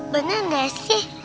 bener gak sih